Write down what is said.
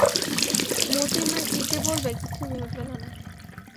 মোতির মা কী যে বলবে কিছুই ভেবে পেলে না।